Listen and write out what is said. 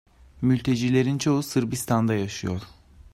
Mültecilerin çoğu Sırbistan'da yaşıyor.